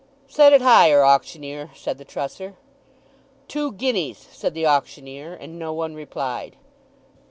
"Set it higher, auctioneer," said the trusser. "Two guineas!" said the auctioneer; and no one replied.